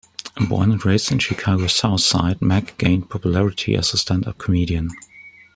Born and raised on Chicago's south side, Mac gained popularity as a stand-up comedian.